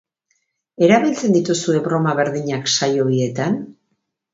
Erabiltzen dituzue broma berdinak saio bietan?